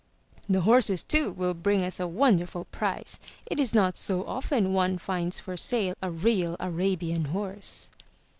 *The horses, too, will bring us a wonderful price. It is not so often one finds for sale a real Arabian horse.'